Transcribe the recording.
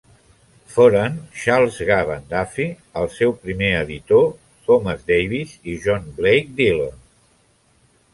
Foren Charles Gavan Duffy, el seu primer editor; Thomas Davis, i John Blake Dillon.